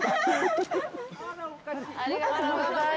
ありがとうございます。